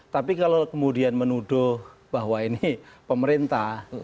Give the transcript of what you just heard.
tapi kalau kemudian menuduh bahwa ini pemerintah